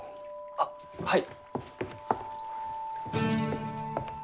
あっはい。